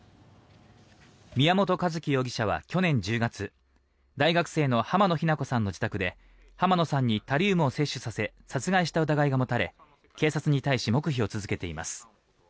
宮本一希容疑者は去年１０月大学生の浜野日菜子さんの自宅で浜野さんにタリウムを摂取させ殺害した疑いが持たれ警察に対し黙秘を続けています。